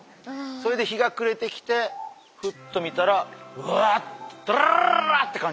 それで日が暮れてきてふっと見たらうわドラララって感じで光ってる。